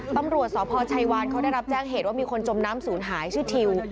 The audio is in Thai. ตำรวจสพชัยวานเขาได้รับแจ้งเหตุว่ามีคนจมน้ำศูนย์หายชื่อทิว